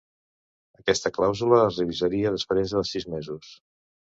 Aquesta clàusula es revisaria després de sis mesos.